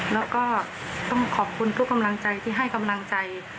แล้วก็ต้องขอบคุณทุกกำลังใจที่ให้กำลังใจ